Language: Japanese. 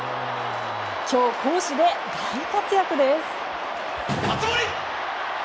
今日、攻守で大活躍です。